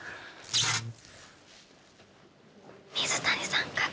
水谷さん。